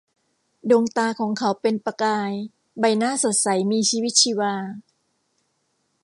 ดวงตาของเขาเป็นประกาย ใบหน้าสดใสมีชีวิตชีวา